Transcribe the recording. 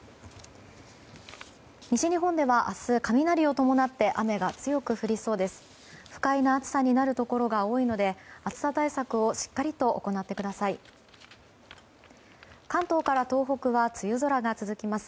西日本では明日、雷を伴って雨が強く降りそうです。